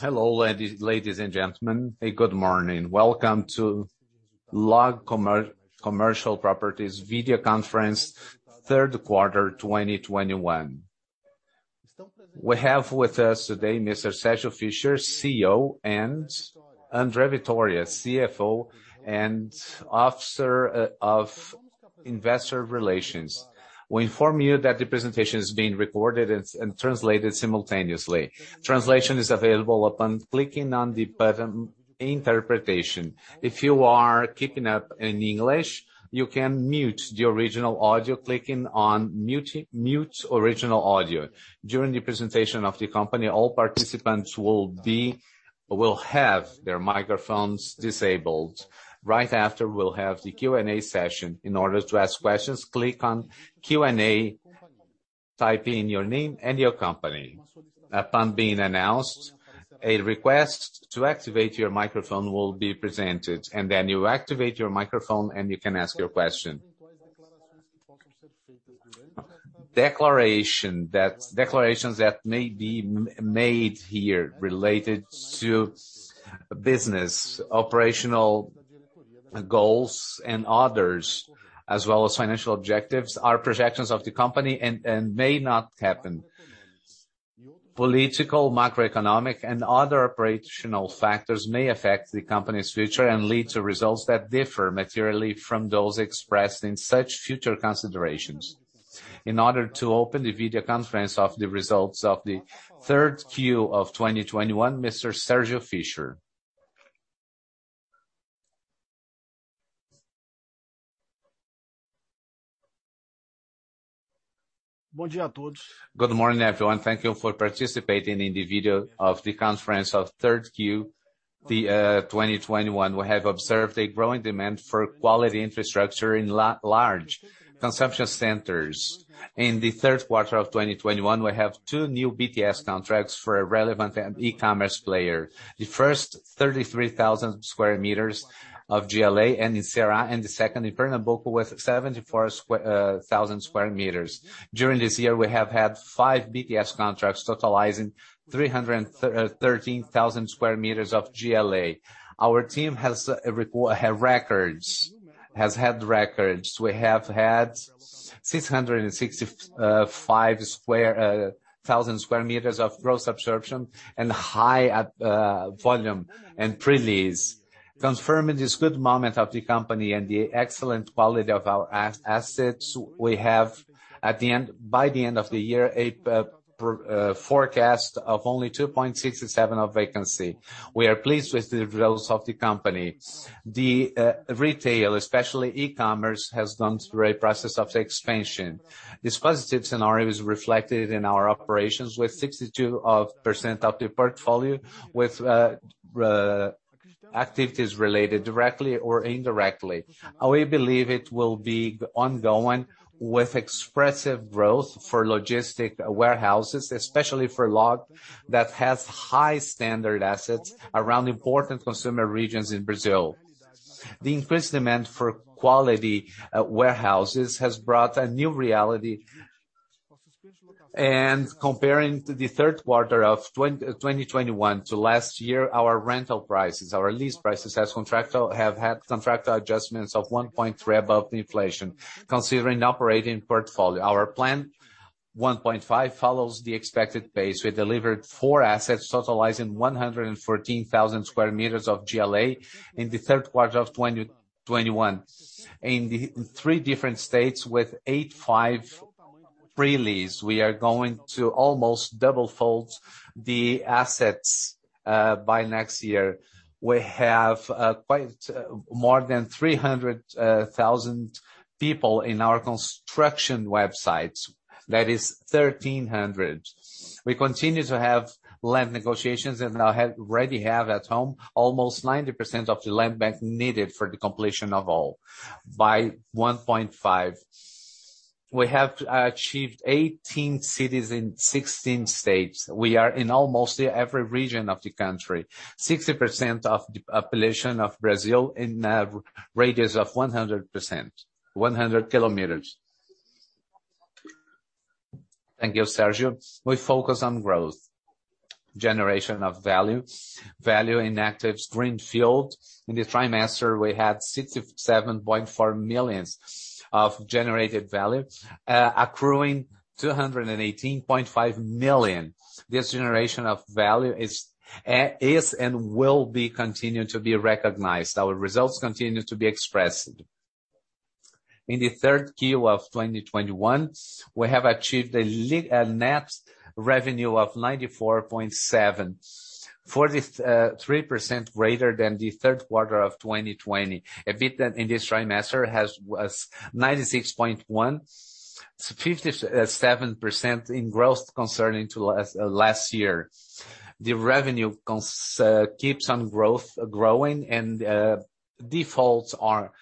Hello ladies and gentlemen. Good morning. Welcome to LOG Commercial Properties video conference third quarter 2021. We have with us today Mr. Sérgio Fischer, CEO, and André Vitória, CFO and Chief Investor Relations Officer. We inform you that the presentation is being recorded and translated simultaneously. Translation is available upon clicking on the button Interpretation. If you are keeping up in English, you can mute the original audio clicking on Mute Original Audio. During the presentation of the company, all participants will have their microphones disabled. Right after, we'll have the Q&A session. In order to ask questions, click on Q&A, type in your name and your company. Upon being announced, a request to activate your microphone will be presented, and then you activate your microphone and you can ask your question. Declarations that may be made here related to business, operational goals and others, as well as financial objectives, are projections of the company and may not happen. Political, macroeconomic and other operational factors may affect the company's future and lead to results that differ materially from those expressed in such future considerations. In order to open the video conference of the results of the third quarter of 2021, Mr. Sérgio Fischer. Good morning, everyone. Thank you for participating in the video conference of the third quarter, 2021. We have observed a growing demand for quality infrastructure in large consumption centers. In the third quarter of 2021, we have two new BTS contracts for a relevant e-commerce player. The first 33,000 sq m of GLA in Ceará, and the second in Pernambuco with 74,000 sq m. During this year, we have had five BTS contracts totalizing 313,000 sq m of GLA. Our team has had records. We have had 665,000 sq m of gross absorption and high volume and pre-lease. Confirming this good moment of the company and the excellent quality of our assets we have by the end of the year, a forecast of only 2.67% vacancy. We are pleased with the results of the company. The retail, especially e-commerce, has gone through a process of expansion. This positive scenario is reflected in our operations with 62% of the portfolio with activities related directly or indirectly. We believe it will be ongoing with expressive growth for logistics warehouses, especially for LOG that has high standard assets around important consumer regions in Brazil. The increased demand for quality warehouses has brought a new reality. Comparing to the third quarter of 2021 to last year, our rental prices, our lease prices have had contract adjustments of 1.3 above the inflation. Considering operating portfolio, our plan 1.5 follows the expected pace. We delivered four assets totaling 114,000 sq m of GLA in the third quarter of 2021. In three different states with 85% pre-lease, we are going to almost double fold the assets by next year. We have quite more than 300,000 people in our construction sites. That is 1,300. We continue to have land negotiations and now already have on hand almost 90% of the land bank needed for the completion of all. By 1.5, we have achieved 18 cities in 16 states. We are in almost every region of the country. 60% of the population of Brazil in a radius of 100 km. Thank you, Sérgio. We focus on growth, generation of value in active greenfield. In the quarter we had 67.4 million of generated value, accruing 218.5 million. This generation of value is and will be continued to be recognized. Our results continue to be expressed. In the third Q of 2021, we have achieved a net revenue of 94.7 million. 43% greater than the third quarter of 2020. EBITDA in this quarter was 96.1 million. 57% growth compared to last year. The revenue keeps growing and defaults are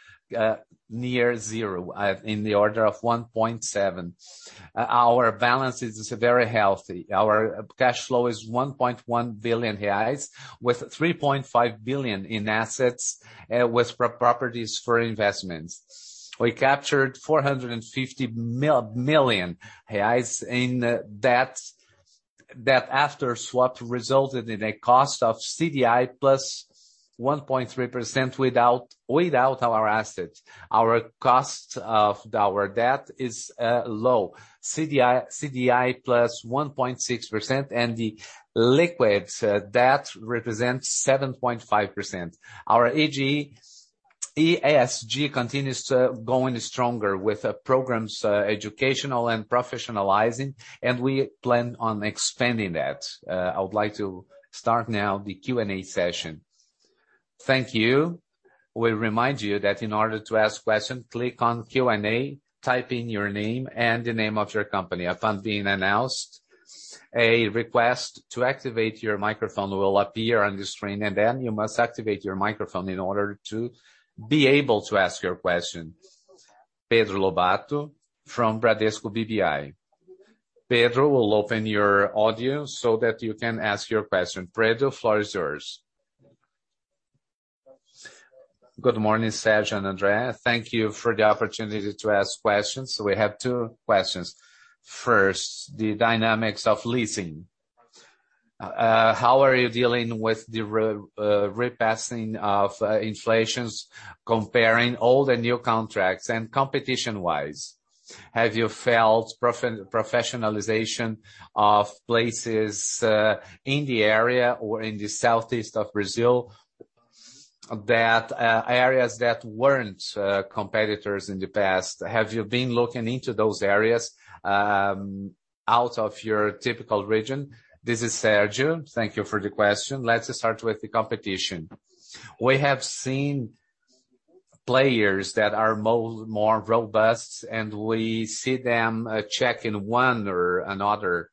near zero, in the order of 1.7%. Our balance sheet is very healthy. Our cash flow is 1.1 billion reais. With 3.5 billion in assets with properties for investments. We captured 450 million reais in debt, that after swap resulted in a cost of CDI plus 1.3% without our assets. Our cost of debt is low. CDI plus 1.6%, and the net debt represents 7.5%. Our ESG continues going stronger with the educational and professionalizing programs, and we plan on expanding that. I would like to start now the Q&A session. Thank you. We remind you that in order to ask questions, click on Q&A, type in your name and the name of your company. Upon being announced, a request to activate your microphone will appear on the screen, and then you must activate your microphone in order to be able to ask your question. Pedro Lobato from Bradesco BBI. Pedro, we'll open your audio so that you can ask your question. Pedro, floor is yours. Good morning, Sérgio and André. Thank you for the opportunity to ask questions. We have two questions. First, the dynamics of leasing. How are you dealing with the repassing of inflation comparing old and new contracts? Competition-wise, have you felt professionalization of places in the area or in the southeast of Brazil that areas that weren't competitors in the past? Have you been looking into those areas out of your typical region? This is Sérgio Fischer. Thank you for the question. Let's start with the competition. We have seen players that are more robust, and we see them checking one or another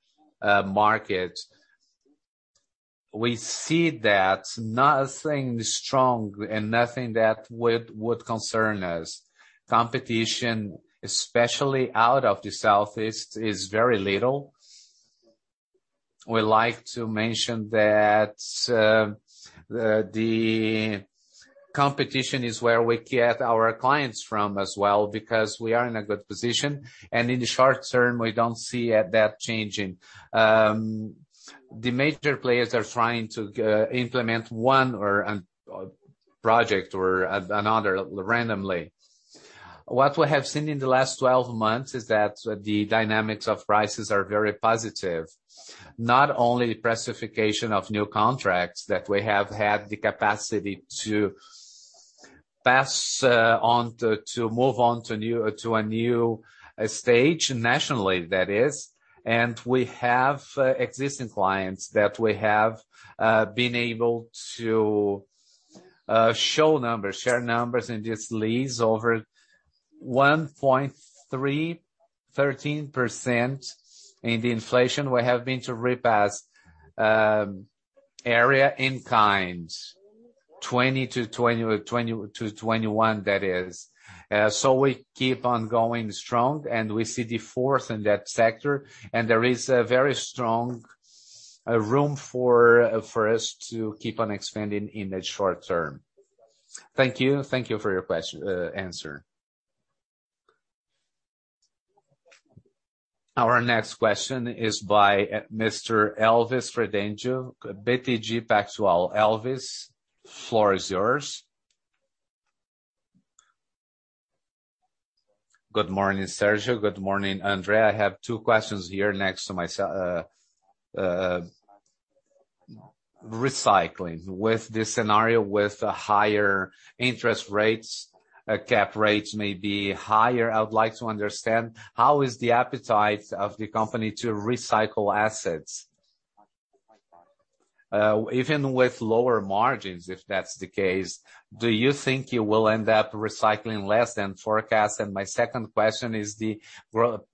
market. We see that nothing strong and nothing that would concern us. Competition, especially out of the southeast, is very little. We like to mention that the competition is where we get our clients from as well because we are in a good position, and in the short term, we don't see that changing. The major players are trying to implement one or a project or another randomly. What we have seen in the last 12 months is that the dynamics of prices are very positive. Not only the price fixation of new contracts that we have had the capacity to pass on to move on to a new stage nationally, that is, and we have existing clients that we have been able to show numbers, share numbers, and just lease over 1.3, 13% in the inflation we have been able to repass area in kind. 2020-2021, that is. We keep on going strong, and we see the force in that sector, and there is a very strong room for us to keep on expanding in the short term. Thank you. Thank you for your answer. Our next question is by Mr. Elvis Credendio, BTG Pactual. Elvis, floor is yours. Good morning, Sérgio. Good morning, André. I have two questions here next to my recycling. With this scenario with higher interest rates, cap rates may be higher. I would like to understand, how is the appetite of the company to recycle assets? Even with lower margins, if that's the case, do you think you will end up recycling less than forecast? My second question is the growth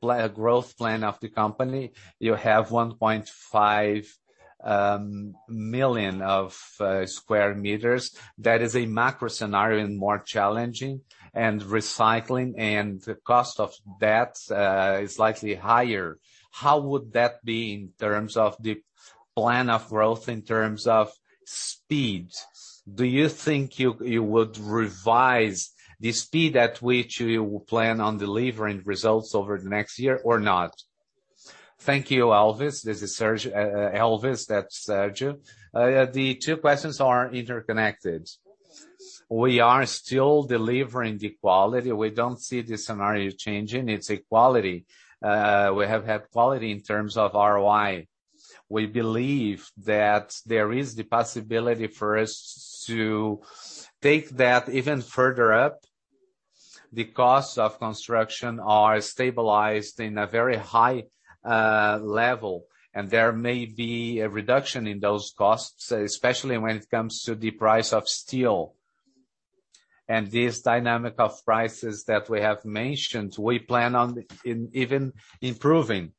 plan of the company. You have 1.5 million sq m. That is a macro scenario and more challenging, and recycling and the cost of debts is likely higher. How would that be in terms of the plan of growth in terms of speed? Do you think you would revise the speed at which you plan on delivering results over the next year or not? Thank you, Elvis. This is Sérgio. The two questions are interconnected. We are still delivering the quality. We don't see the scenario changing. It's a quality. We have had quality in terms of ROI. We believe that there is the possibility for us to take that even further up. The costs of construction are stabilized in a very high level, and there may be a reduction in those costs, especially when it comes to the price of steel. This dynamic of prices that we have mentioned, we plan on even improving,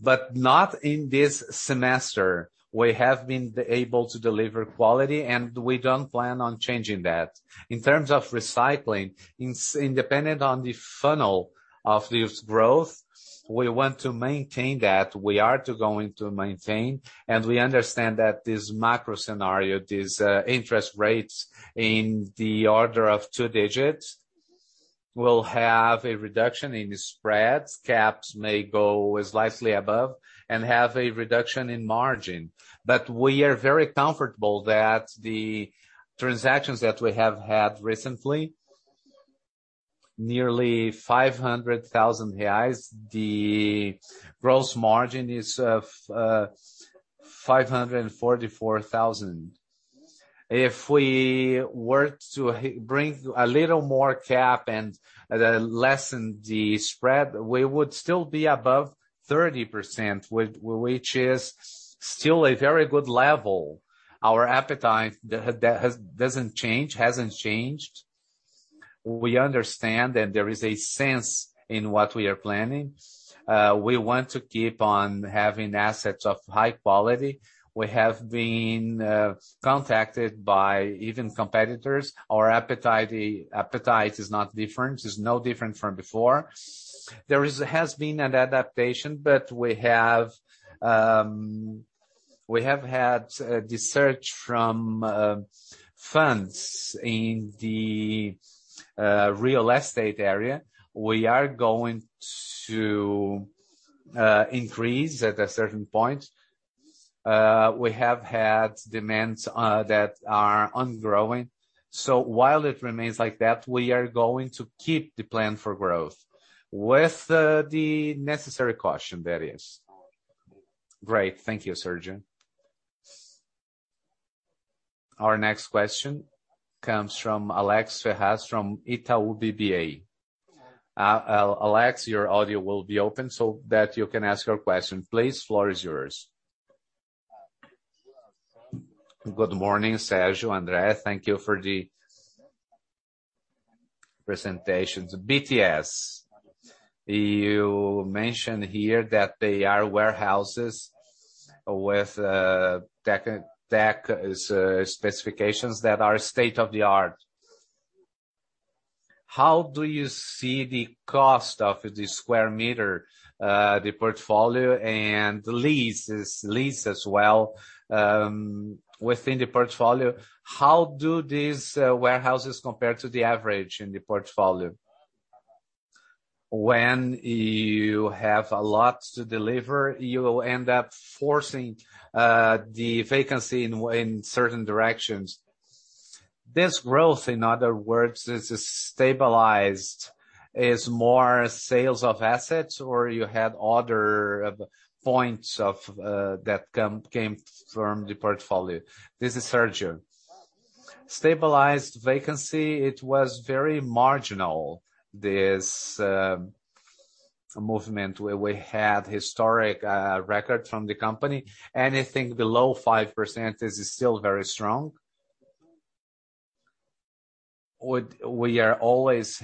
but not in this semester. We have been able to deliver quality, and we don't plan on changing that. In terms of recycling, independent of the funnel of this growth, we want to maintain that. We are going to maintain, and we understand that this macro scenario, these interest rates in the order of two digits. We'll have a reduction in spreads. Cap rates may go slightly above and have a reduction in margin. We are very comfortable that the transactions that we have had recently, nearly 500,000 reais, the gross margin is 544,000. If we were to bring a little more cap rate and lessen the spread, we would still be above 30%, which is still a very good level. Our appetite doesn't change, hasn't changed. We understand that there is a sense in what we are planning. We want to keep on having assets of high quality. We have been contacted by even competitors. Our appetite is not different, is no different from before. There has been an adaptation, but we have had the search from funds in the real estate area. We are going to increase at a certain point. We have had demands that are ongoing. While it remains like that, we are going to keep the plan for growth with the necessary caution, that is. Great. Thank you, Sérgio. Our next question comes from Alex Ferraz from Itaú BBA. Alex, your audio will be open so that you can ask your question. Please, floor is yours. Good morning, Sérgio, André. Thank you for the presentations. BTS, you mentioned here that they are warehouses with tech specifications that are state-of-the-art. How do you see the cost of the square meter, the portfolio and lease as well, within the portfolio? How do these warehouses compare to the average in the portfolio? When you have a lot to deliver, you will end up forcing the vacancy in certain directions. This growth, in other words, is stabilized, is more sales of assets, or you had other points of that came from the portfolio. This is Sérgio. Stabilized vacancy, it was very marginal. This movement where we had historic record from the company. Anything below 5% is still very strong. We are always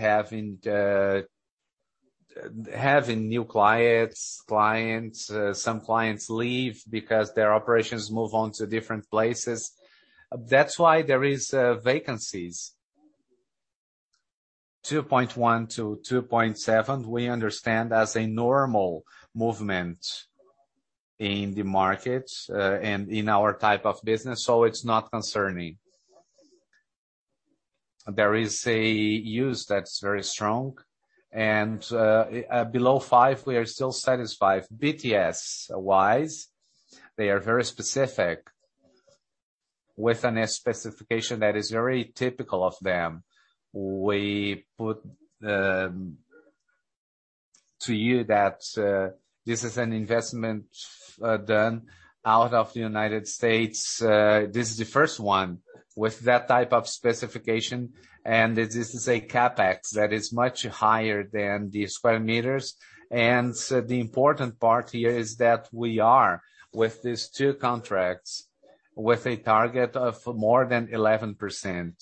having new clients. Clients, some clients leave because their operations move on to different places. That's why there is vacancies. 2.1%-2.7%, we understand as a normal movement in the market and in our type of business, so it's not concerning. There is a use that's very strong. Below 5, we are still satisfied. BTS-wise, they are very specific with a specification that is very typical of them. We put to you that this is an investment done out of the United States. This is the first one with that type of specification, and this is a CapEx that is much higher than the square meters. The important part here is that we are, with these two contracts, with a target of more than 11%,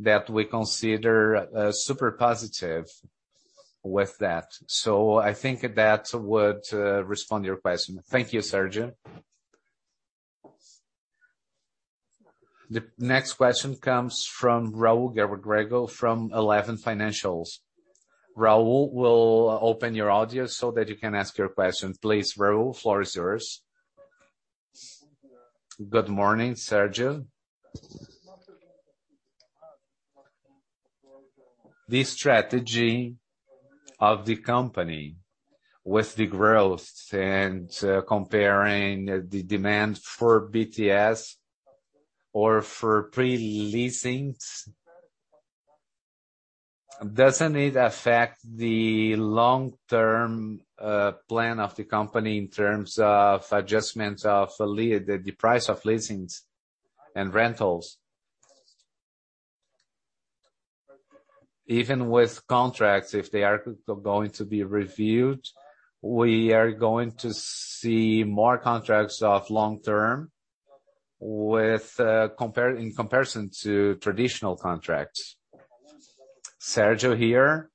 that we consider super positive with that. I think that would respond to your question. Thank you, Sérgio. The next question comes from Raul Grego Lemos from Eleven Financial Research. Raul, we'll open your audio so that you can ask your question. Please, Raul, floor is yours. Good morning, Sérgio. The strategy of the company with the growth and comparing the demand for BTS or for pre-leasings, doesn't it affect the long-term plan of the company in terms of adjustments of the price of leasings and rentals? Even with contracts, if they are going to be reviewed, we are going to see more contracts of long-term with in comparison to traditional contracts. Sérgio here.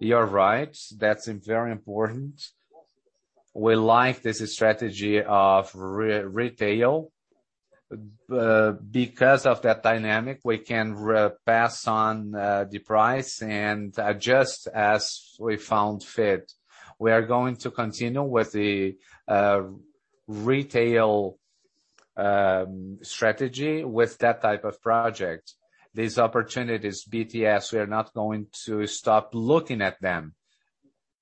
You're right. That's very important. We like this strategy of retail. Because of that dynamic, we can pass on the price and adjust as we see fit. We are going to continue with the retail strategy with that type of project. These opportunities, BTS, we are not going to stop looking at them,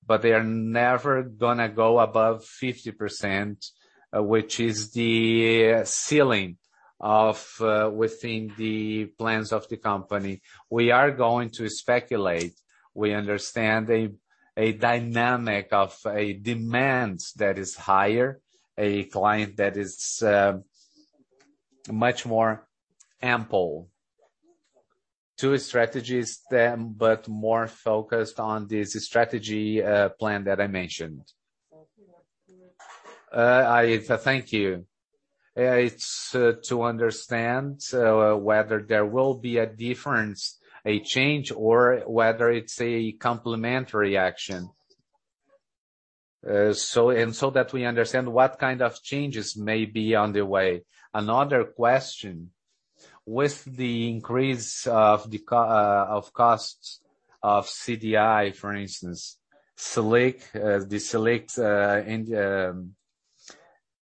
but they are never gonna go above 50%, which is the ceiling within the plans of the company. We are going to speculate. We understand a dynamic of a demand that is higher, a client that is much more ample. Two strategies, but more focused on this strategy, plan that I mentioned. Thank you. It's to understand whether there will be a difference, a change, or whether it's a complementary action, so and so that we understand what kind of changes may be on the way. Another question. With the increase of costs of CDI, for instance, Selic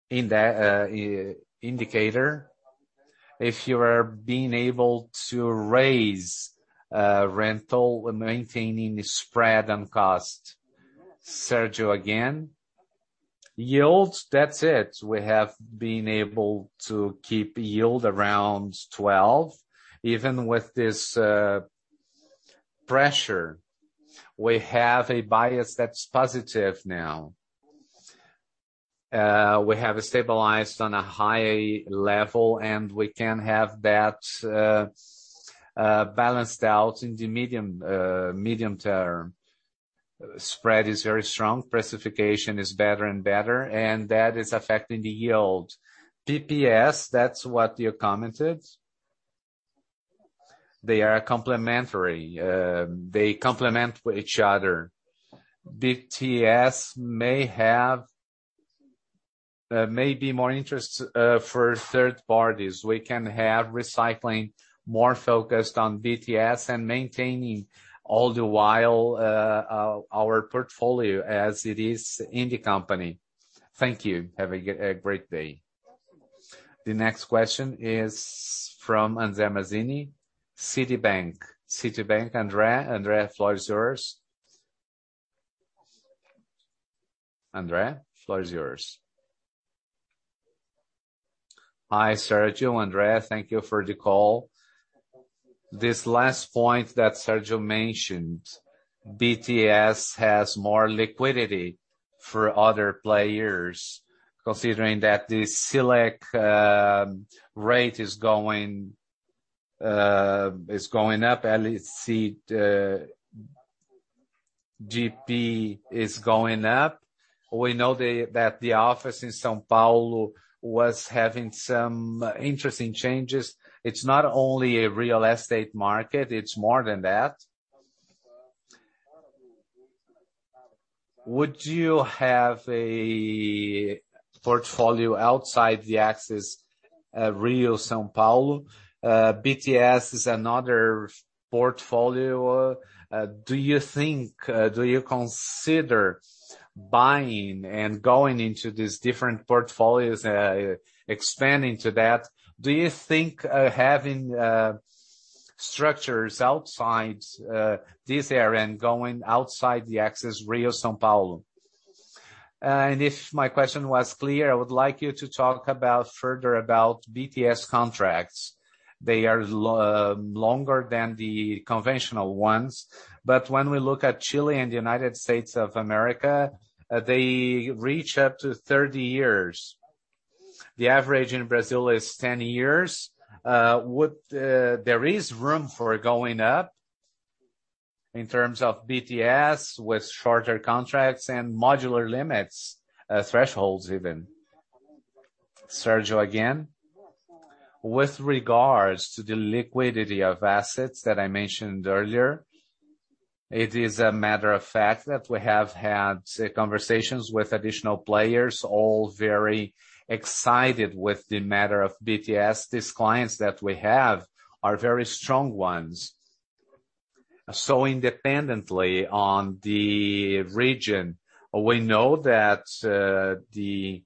in the indicator, if you are being able to raise rental and maintaining spread and cost. Sérgio again. Yields, that's it. We have been able to keep yield around 12%. Even with this pressure, we have a bias that's positive now. We have stabilized on a high level, and we can have that balanced out in the medium term. Spread is very strong, price fixation is better and better, and that is affecting the yield. BTS, that's what you commented. They are complementary. They complement with each other. BTS may be more interest for third parties. We can have recycling more focused on BTS and maintaining all the while our portfolio as it is in the company. Thank you. Have a great day. The next question is from Andre Mazzini, Citi. Citi, Andre. Andre, the floor is yours. Hi, Sergio. Andre. Thank you for the call. This last point that Sergio mentioned, BTS has more liquidity for other players, considering that the Selic rate is going up. Let's see, the IGP-M is going up. We know that the office in São Paulo was having some interesting changes. It's not only a real estate market, it's more than that. Would you have a portfolio outside the axis Rio-São Paulo? BTS is another portfolio. Do you think—Do you consider buying and going into these different portfolios, expanding to that? Do you think having structures outside this area and going outside the axis Rio-São Paulo? If my question was clear, I would like you to talk further about BTS contracts. They are longer than the conventional ones. When we look at Chile and the United States of America, they reach up to 30 years. The average in Brazil is 10 years. There is room for going up in terms of BTS with shorter contracts and modular limits, thresholds even. Sérgio Fischer again. With regards to the liquidity of assets that I mentioned earlier, it is a matter of fact that we have had conversations with additional players, all very excited with the matter of BTS. These clients that we have are very strong ones. Independently of the region, we know that it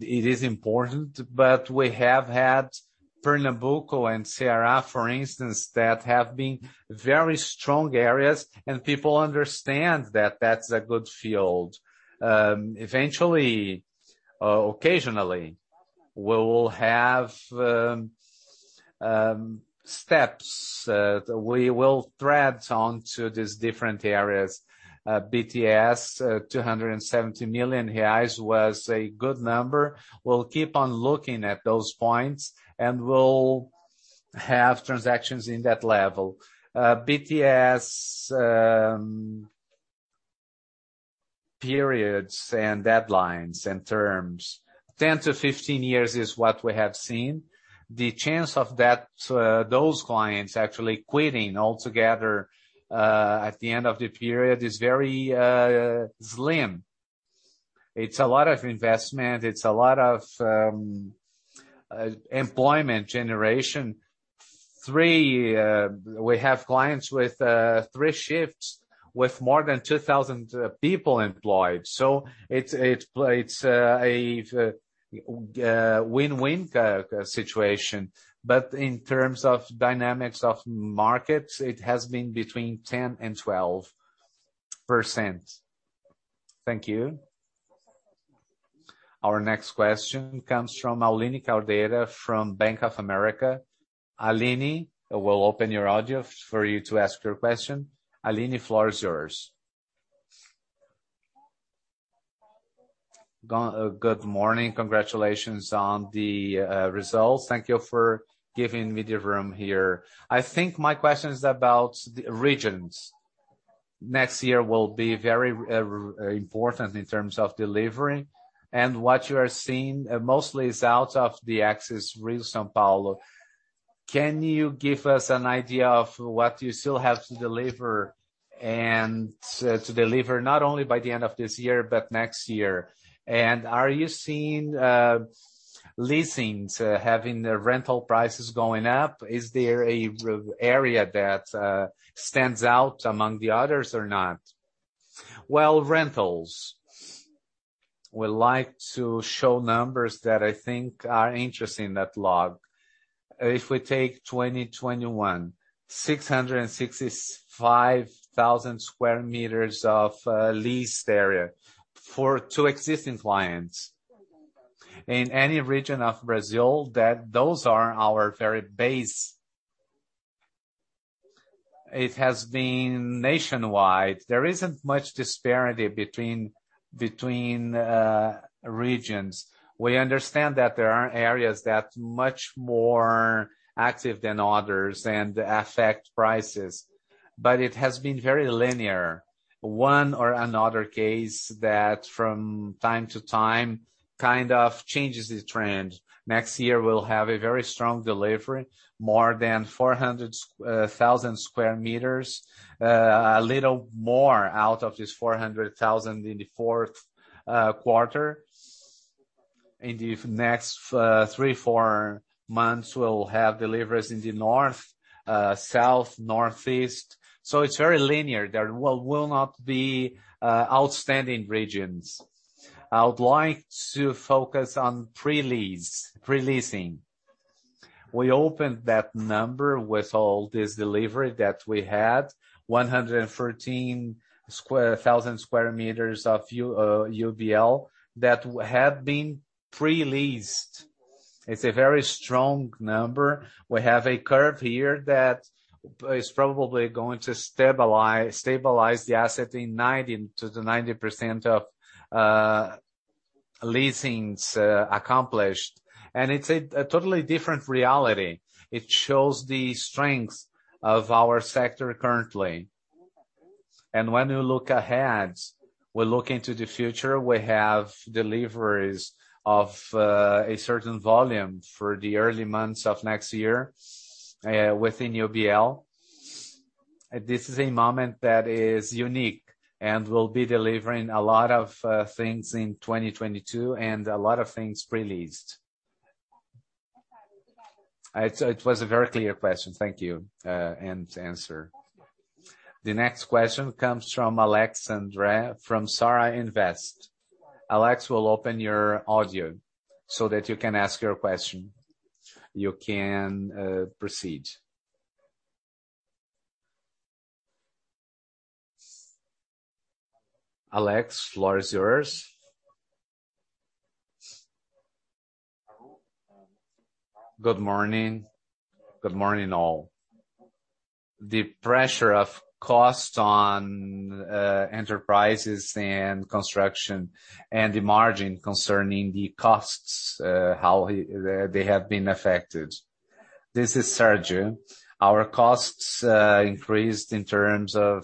is important, but we have had Pernambuco and Ceará, for instance, that have been very strong areas, and people understand that that's a good field. Eventually, occasionally, we'll have steps. We will tread into these different areas. BTS, 270 million reais was a good number. We'll keep on looking at those points, and we'll have transactions in that level. BTS periods and deadlines and terms, 10-15 years is what we have seen. The chance of that, those clients actually quitting altogether, at the end of the period is very slim. It's a lot of investment, it's a lot of employment generation. Three, we have clients with three shifts with more than 2,000 people employed. So it's a win-win situation. But in terms of dynamics of markets, it has been between 10%-12%. Thank you. Our next question comes from Aline Caldeira from Bank of America. Aline, I will open your audio for you to ask your question. Aline, floor is yours. Good morning. Congratulations on the results. Thank you for giving me the room here. I think my question is about the regions. Next year will be very important in terms of delivery and what you are seeing mostly is out of the Rio-São Paulo axis. Can you give us an idea of what you still have to deliver, and to deliver not only by the end of this year, but next year? Are you seeing leasing having the rental prices going up? Is there an area that stands out among the others or not? Well, rentals. We like to show numbers that I think are interesting at LOG. If we take 2021, 665,000 sq m of leased area for two existing clients. In any region of Brazil. Those are our very base. It has been nationwide. There isn't much disparity between regions. We understand that there are areas that much more active than others and affect prices, but it has been very linear. One or another case that from time to time kind of changes the trend. Next year, we'll have a very strong delivery, more than 400,000 sq m, a little more out of this 400,000 sq m in the fourth quarter. In the next three, four months, we'll have deliveries in the north, south, northeast. It's very linear. There will not be outstanding regions. I would like to focus on pre-lease, pre-leasing. We opened that number with all this delivery that we had, 113,000 sq m of GLA that have been pre-leased. It's a very strong number. We have a curve here that is probably going to stabilize the asset to 90% of leasings accomplished. It’s a totally different reality. It shows the strength of our sector currently. When we look ahead, we look into the future, we have deliveries of a certain volume for the early months of next year within UBL. This is a moment that is unique, and we'll be delivering a lot of things in 2022 and a lot of things pre-leased. It was a very clear question. Thank you and answer. The next question comes from Alex Andre from Sara Invest. Alex, we'll open your audio so that you can ask your question. You can proceed. Alex, floor is yours. Good morning. Good morning, all. The pressure of costs on enterprises and construction and the margin concerning the costs, how they have been affected. This is Sérgio. Our costs increased in the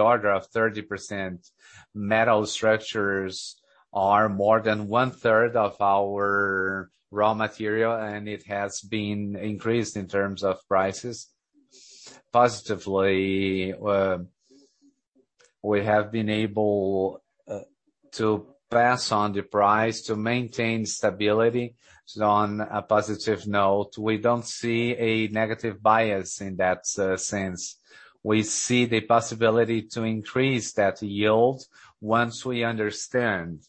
order of 30%. Metal structures are more than one-third of our raw material, and it has been increased in terms of prices. Positively, we have been able to pass on the price to maintain stability. On a positive note, we don't see a negative bias in that sense. We see the possibility to increase that yield once we understand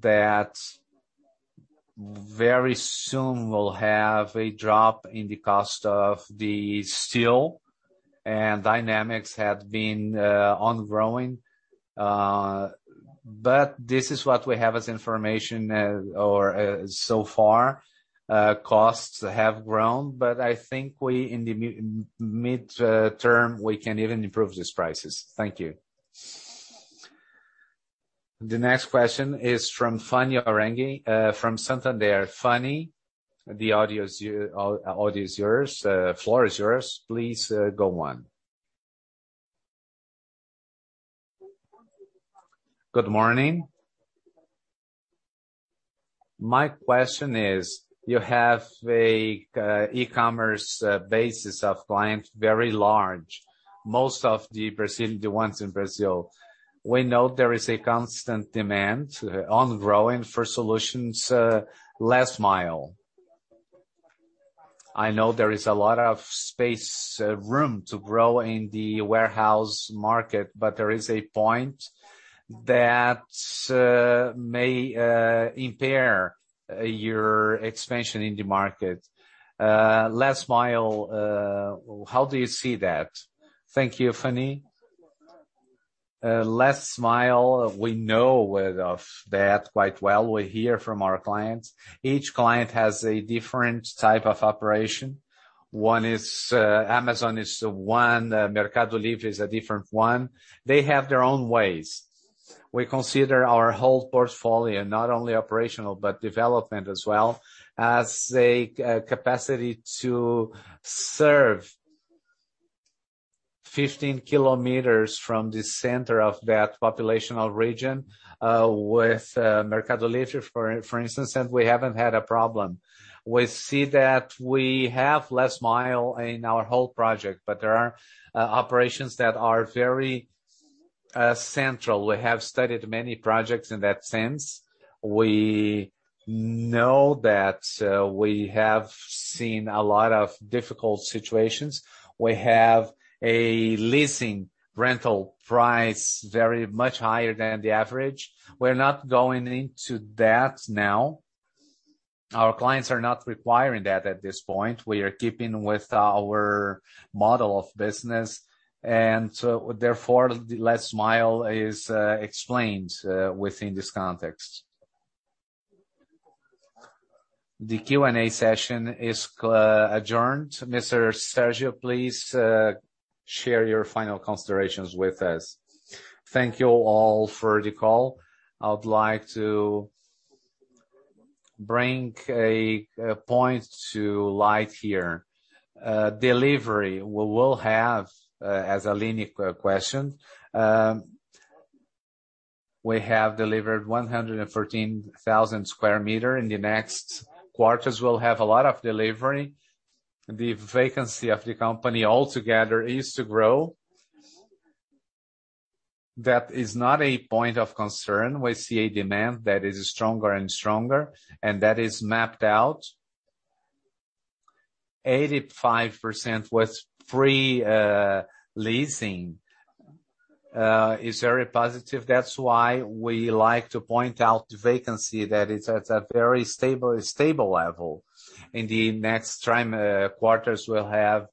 that very soon we'll have a drop in the cost of the steel and dynamics have been ongoing. This is what we have as information so far. Costs have grown, but I think we in the mid term, we can even improve these prices. Thank you. The next question is from Fanny Oreng, from Santander. Fanny, the audio is yours. Floor is yours. Please, go on. Good morning. My question is, you have a e-commerce basis of clients, very large, most of the ones in Brazil. We know there is a constant demand, ongoing for solutions, last mile. I know there is a lot of space, room to grow in the warehouse market, but there is a point that may impair your expansion in the market. Last mile, how do you see that? Thank you, Fanny. Last mile, we know of that quite well. We hear from our clients. Each client has a different type of operation. Amazon is one, Mercado Livre is a different one. They have their own ways. We consider our whole portfolio, not only operational but development as well, as a capacity to serve 15 km from the center of that populational region, with Mercado Livre, for instance, and we haven't had a problem. We see that we have last mile in our whole project, but there are operations that are very central. We have studied many projects in that sense. We know that we have seen a lot of difficult situations. We have a leasing rental price very much higher than the average. We're not going into that now. Our clients are not requiring that at this point. We are keeping with our model of business, and so therefore, the last mile is explained within this context. The Q&A session is adjourned. Mr. Sérgio Fischer, please share your final considerations with us. Thank you all for the call. I would like to bring a point to light here. Delivery, we will have as a linear question. We have delivered 113,000 sq m. In the next quarters, we'll have a lot of delivery. The vacancy of the company altogether is to grow. That is not a point of concern. We see a demand that is stronger and stronger, and that is mapped out. 85% pre-leasing is very positive. That's why we like to point out the vacancy that is at a very stable level. In the next quarters, we'll have,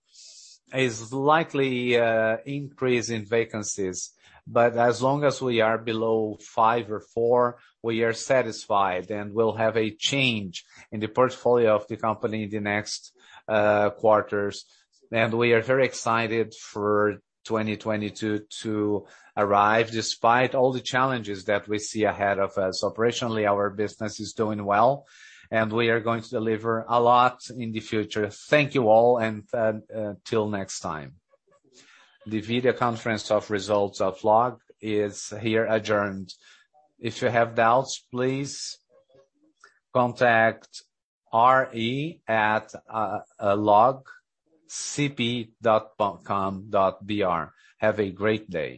it's likely, an increase in vacancies. As long as we are below 5% or 4%, we are satisfied, and we'll have a change in the portfolio of the company in the next quarters. We are very excited for 2022 to arrive, despite all the challenges that we see ahead of us. Operationally, our business is doing well, and we are going to deliver a lot in the future. Thank you all and till next time. The video conference of results of LOG is hereby adjourned. If you have doubts, please contact re@logcp.com.br. Have a great day.